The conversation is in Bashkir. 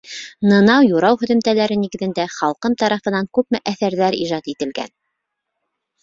Нынау-юрау һөҙөмтәләре нигеҙендә халҡым тарафынан күпме әҫәрҙәр ижад ителгән.